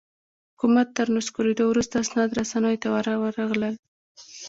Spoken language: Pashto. حکومت تر نسکورېدو وروسته اسناد رسنیو ته ورغلل.